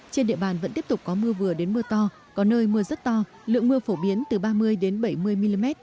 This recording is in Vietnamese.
trên địa bàn vẫn tiếp tục có mưa vừa đến mưa to có nơi mưa rất to lượng mưa phổ biến từ ba mươi đến bảy mươi mm